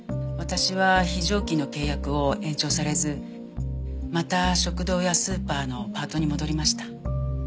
私は非常勤の契約を延長されずまた食堂やスーパーのパートに戻りました。